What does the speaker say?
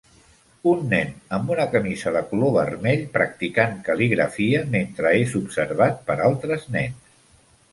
Un nen amb una camisa de color vermell practicant cal·ligrafia mentre es observat per altres nens.